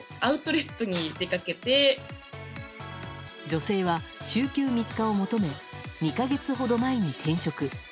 女性は週休３日を求め２か月ほど前に転職。